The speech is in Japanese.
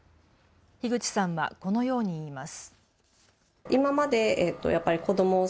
樋口さんはこのように言います。